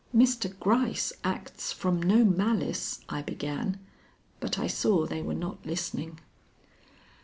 "Mr. Gryce acts from no malice " I began, but I saw they were not listening.